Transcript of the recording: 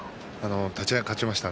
立ち合い勝ちました。